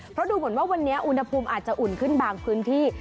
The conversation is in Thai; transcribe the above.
เพราะดูเหมือนว่าวันนี้อุณหภูมิอาจจะอุ่นขึ้นบางพื้นที่